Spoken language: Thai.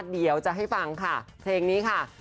เดี๋ยวจะให้ฟังค่ะเพลงนี้ค่ะ